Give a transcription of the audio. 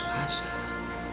sampai jumpa lagi